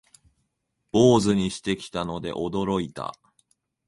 坊主にしてきたので驚いた